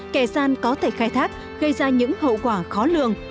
kẻ gian có thể khai thác gây ra những hậu quả khó lường